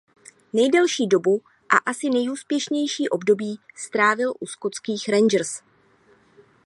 Nejdelší dobu a asi nejúspěšnější období strávil u skotských Rangers.